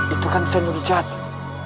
itu kan senur jatuh